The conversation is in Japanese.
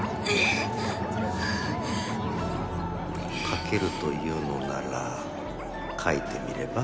書けると言うのなら書いてみれば？